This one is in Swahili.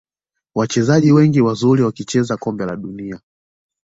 wachezaji wengi wazuri wakicheza kombe la dunia